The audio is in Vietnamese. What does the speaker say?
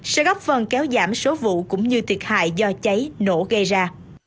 sẽ góp phần kéo giảm số vụ cũng như thiệt hại do cháy nổ gây ra